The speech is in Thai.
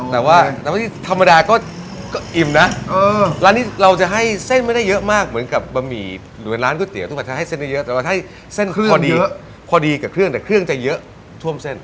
แต่ว่าที่ธรรมดาก็อิ่มนะร้านนี้เราจะให้เส้นไม่ได้เยอะมากเหมือนกับบะหมี่หรือแบบร้านก๋วยเตี๋ยวทุกถ้าให้เส้นเยอะแต่ถ้าให้เส้นพอดีกับเครื่องแต่เครื่องจะเยอะท่วมเส้น